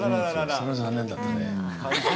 それは残念だったね。